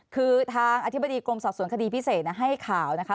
คือทางอธิบดีกรมสอบสวนคดีพิเศษให้ข่าวนะคะ